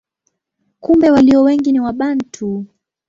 Kumbe walio wengi ni Wabantu.